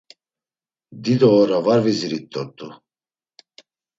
Dido ora var vizirit dort̆u.